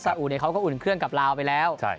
อุเขาก็อุ่นเครื่องกับลาวไปแล้ว